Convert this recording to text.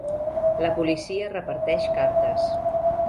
La policia reparteix cartes.